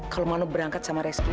kalau mano berangkat sama reski